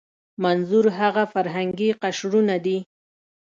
منظور هغه فرهنګي قشرونه دي.